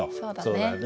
そうだね。